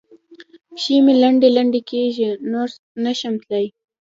پښې مې لنډې لنډې کېږي؛ نور نه شم تلای.